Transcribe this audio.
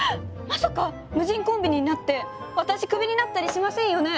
まさか無人コンビニになって私クビになったりしませんよね？